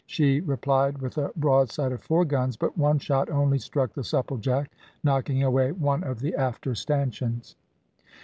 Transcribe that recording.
She replied with a broadside of four guns, but one shot only struck the Supplejack, knocking away one of the after stanchions.